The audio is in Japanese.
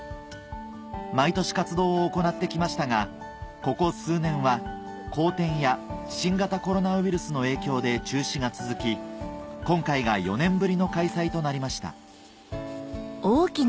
毎年活動を行ってきましたがここ数年は荒天や新型コロナウイルスの影響で中止が続き今回が４年ぶりの開催となりました